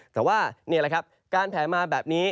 แต่ว่านี่แหละครับการแผลมาแบบนี้